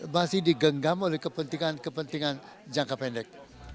masih digenggam oleh kepentingan kepentingan jangka pendek